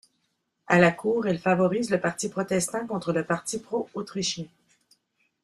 A la Cour, elle favorise le parti protestant contre le parti pro-autrichien.